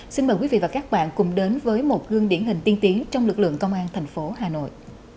xin mời quý vị và các bạn cùng đến với một gương điển hình tiên tiến trong lực lượng công an thành phố hà nội